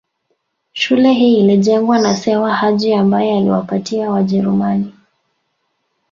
Shule hii ilijengwa na Sewa Haji ambaye aliwapatia Wajerumani